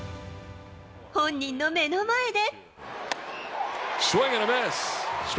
本人の目の前で。